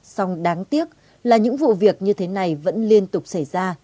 song đáng tiếc là những vụ việc như thế này vẫn liên tục xảy ra